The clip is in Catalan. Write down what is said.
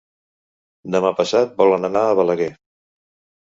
Demà passat volen anar a Balaguer.